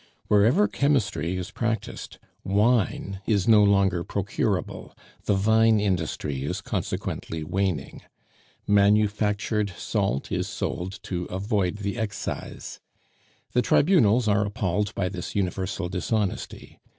Wherever chemistry is practised, wine is no longer procurable; the vine industry is consequently waning. Manufactured salt is sold to avoid the excise. The tribunals are appalled by this universal dishonesty.